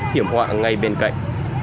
hiểm họa ngay bên cạnh